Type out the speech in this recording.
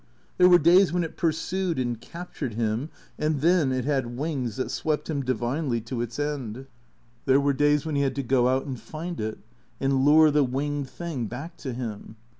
There were days when it pursued and captured him, and then it had wings that swept him divinely to its end. There were days when he had to go out and find it, and lure the winged thing back to him.